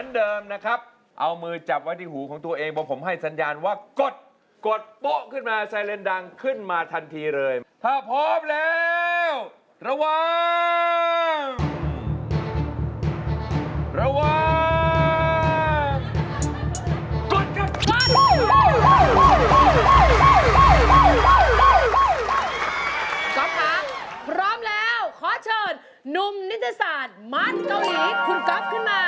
ก๊อฟค่ะพร้อมแล้วขอเชิญนุมนิทยาศาสตร์มัธเกาหลีคุณก๊อฟขึ้นมาร้องได้หายล้านกับพวกเราบนบัญชีเลยขอเชิญค่ะ